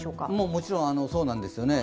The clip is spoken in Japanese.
もちろんそうなんですよね。